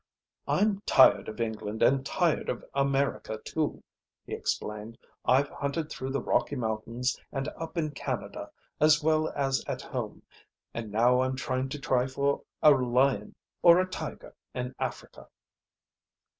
"I'm tired of England, and tired of America too," he explained. "I've hunted through the Rocky Mountains and up in Canada, as well as at home, and now I'm going to try for a lion or a tiger in Africa."